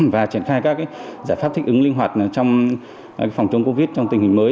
và triển khai các giải pháp thích ứng linh hoạt trong phòng chống covid trong tình hình mới